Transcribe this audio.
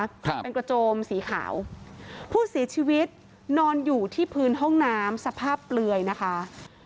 ครับเป็นกระโจมสีขาวผู้เสียชีวิตนอนอยู่ที่พื้นห้องน้ำสภาพเปลือยนะคะ